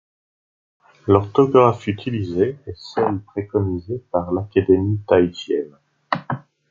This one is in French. L'orthographe utilisée est celle préconisée par l'Académie tahitienne.